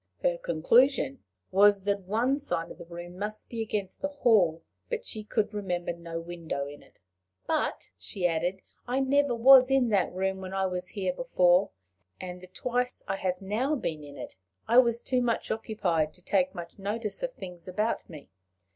Her conclusion was that one side of the room must be against the hall, but she could remember no window in it. "But," she added, "I never was in that room when I was here before, and, the twice I have now been in it, I was too much occupied to take much notice of things about me.